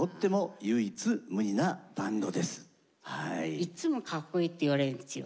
いっつもかっこいいって言われるんですよ。